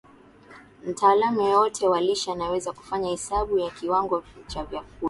mtaalamu yeyote wa lishe anaweza kufanya hesabu za kiwango cha vyakula